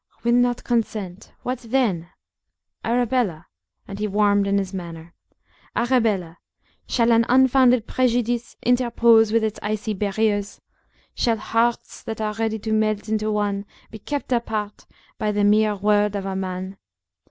"Will not consent. What then? Arabella!" and he warmed in his manner "Arabella, shall an unfounded prejudice interpose with its icy barriers? Shall hearts that are ready to melt into one, be kept apart by the mere word of a man?